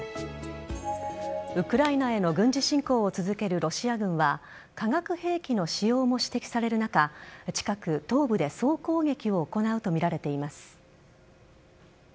ウクライナへの軍事侵攻を続けるロシア軍は化学兵器の使用も指摘される中近く東部で総攻撃を行うとみられています。